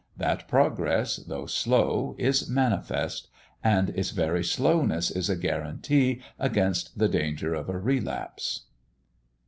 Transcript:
That progress, though slow, is manifest, and its very slowness is a guarantee against the danger of a relapse.